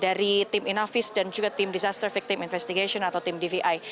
dari tim inavis dan juga tim disaster victim investigation atau tim dvi